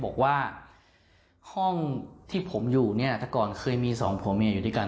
บอกว่าห้องที่ผมอยู่เนี่ยแต่ก่อนเคยมีสองผัวเมียอยู่ด้วยกัน